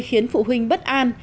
khiến phụ huynh bất an